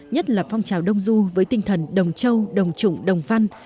nhất là phong trào đông du với tinh thần đồng châu đồng trụng đồng văn